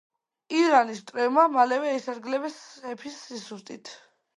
ირანის მტრებმა მალევე ისარგებლეს სეფის სისუსტით.